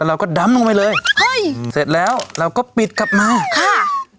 เราก็ดำลงไปเลยเฮ้ยอืมเสร็จแล้วเราก็ปิดกลับมาค่ะ